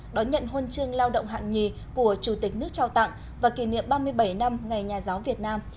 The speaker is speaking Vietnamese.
đón nhận huân chương lao động hạng nhì của chủ tịch nước trao tặng và kỷ niệm ba mươi bảy năm ngày nhà giáo việt nam